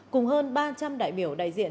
cùng hơn ba trăm linh đại biểu đại diện